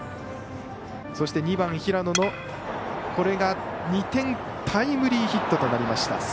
そして２番平野の２点タイムリーヒットとなりました。